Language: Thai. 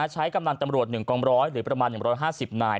ใช้กำลังตำรวจหรือประมาณ๑๕๐นาที